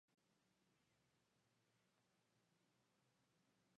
Los lanzadores de disco griegos eran muy estilizados.